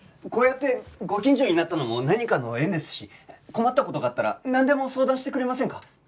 こうやってご近所になったのも何かの縁ですし困った事があったらなんでも相談してくれませんか？